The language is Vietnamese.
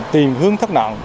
tiền hướng thất nạn